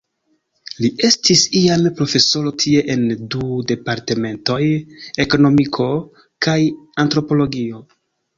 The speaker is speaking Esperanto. Li estis iame profesoro tie en du departementoj, Ekonomiko kaj Antropologio.